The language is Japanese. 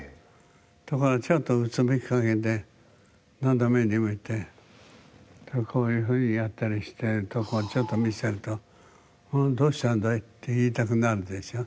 ところがちょっとうつむき加減で斜めに向いて手をこういうふうにやったりしてるとこをちょっと見せると「どうしたんだい？」って言いたくなるでしょ。